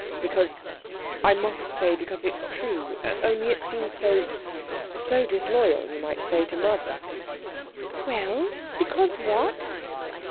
"Because ... I must say it because it's true, only it seems so ... so disloyal, you might say, to mother...." "Well! Because what?"